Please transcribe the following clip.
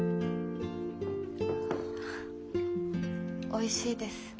おいしいです。